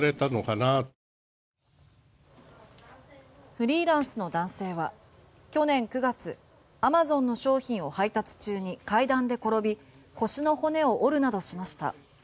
フリーランスの男性は去年９月アマゾンの商品を配達中に階段で転び腰の骨を折るなどしました。